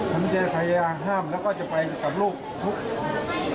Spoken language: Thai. ผมจะพยายามห้ามแล้วก็จะไปกับลูกทุกคน